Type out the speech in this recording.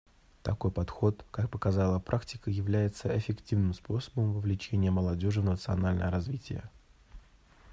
Такой подход, как показала практика, является эффективным способом вовлечения молодежи в национальное развитие.